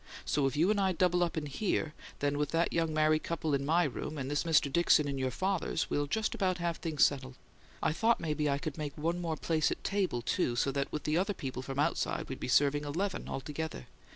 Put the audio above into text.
So if you and I double up in here, then with that young married couple in my room, and this Mr. Dickson in your father's, we'll just about have things settled. I thought maybe I could make one more place at table, too, so that with the other people from outside we'd be serving eleven altogether.